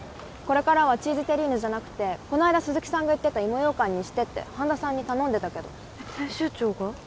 これからはチーズテリーヌじゃなくてこの間鈴木さんが言ってた芋ようかんにしてって半田さんに頼んでたけど編集長が？